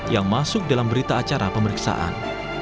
yang masuk dalam berita acara pemeriksaan